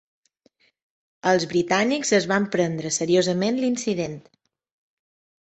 Els britànics es van prendre seriosament l'incident.